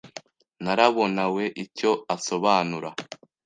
ntarabonawe icyo asobanura.